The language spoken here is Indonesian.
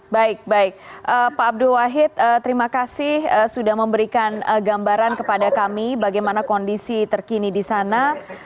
baik baik pak abdul wahid terima kasih sudah memberikan gambaran kepada kami bagaimana kondisi terkini di sana